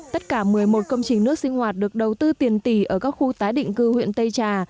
tất cả một mươi một công trình nước sinh hoạt được đầu tư tiền tỷ ở các khu tái định cư huyện tây trà